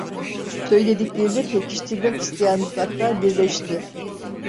Söylediklerini pekiştirmek isteyen dudaklar birleşti.